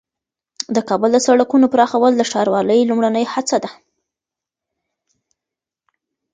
د کابل د سړکونو پراخول د ښاروالۍ لومړنۍ هڅه ده.